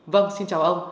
vâng xin chào ông